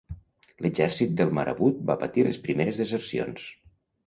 L'exèrcit del marabut va patir les primeres desercions.